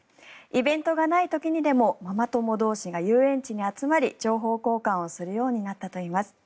イベントがない時にでもママ友同士が遊園地に集まり情報交換をするようになったといいます。